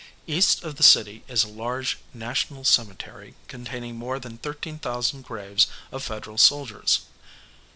East of the city is a large national cemetery containing more than 13,000 graves of Federal soldiers.